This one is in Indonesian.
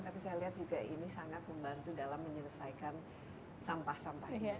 tapi saya lihat juga ini sangat membantu dalam menyelesaikan sampah sampah ini